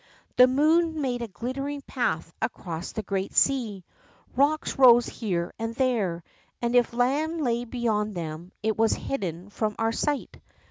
The moon made a glittering path across the great sea. Kocks rose here and there, and if land lay beyond them, it was hidden from our sight.